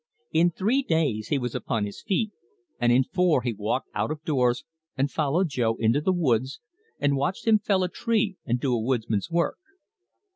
In three days he was upon his feet, and in four he walked out of doors and followed Jo into the woods, and watched him fell a tree and do a woodsman's work.